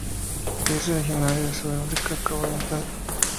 Es originaria de Sudáfrica, Cabo Oriental.